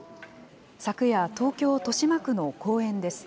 昨夜、東京・豊島区の公園です。